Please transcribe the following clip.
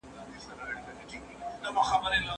تر لیکلو ژر پیاوړی کوي.